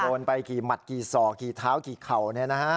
โดนไปกี่หมัดกี่ส่อกี่เท้ากี่เข่าไหนนะฮะ